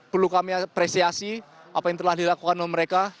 perlu kami apresiasi apa yang telah dilakukan oleh mereka